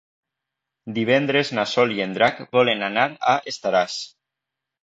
Divendres na Sol i en Drac volen anar a Estaràs.